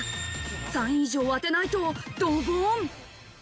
３位以上を当てないとドボン。